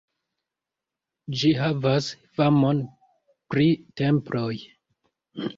Ĝi havas famon pri temploj.